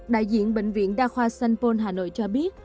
đại diện bệnh viện đa khoa sanpon hà nội cho biết